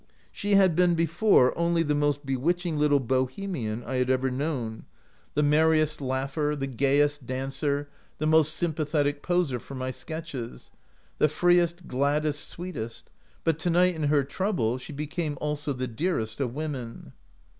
She had before been only the most bewitching little Bohe mian I had ever known — the merriest 3 33 OUT OF BOHEMIA laugher, the gayest dancer, the most sym pathetic poser for my sketches — the freest, gladdest, sweetest, but to night, in her trou ble, she became also the dearest, of women.